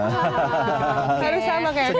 harus sama kayak gitu